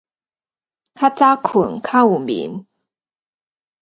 較早睏，較有眠